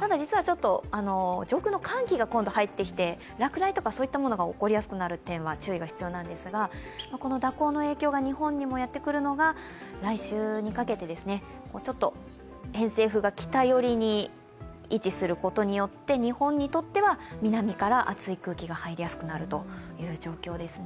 ただ、実は上空の寒気が入ってきて落雷とかが起こりやすくなる点は注意が必要なんですがここの蛇行の影響が日本にもやってくるのが来週にかけてですね、偏西風が北寄りに位置することによって日本にとっては南から熱い空気が入りやすくなるということです。